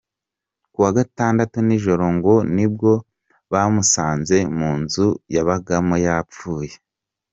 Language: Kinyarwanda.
Kuwa gatandatu nijoro ngo nibwo bamusanze mu nzu yabagamo yapfuye.